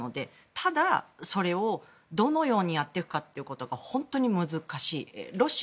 ただ、それをどのようにやっていくかということが本当に難しくて。